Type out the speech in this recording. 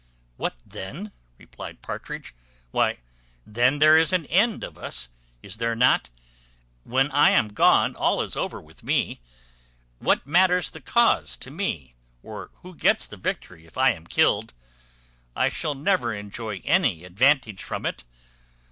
"What then?" replied Partridge; "why then there is an end of us, is there not? when I am gone, all is over with me. What matters the cause to me, or who gets the victory, if I am killed? I shall never enjoy any advantage from it.